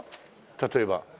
例えば。